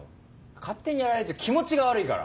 勝手にやられると気持ちが悪いから。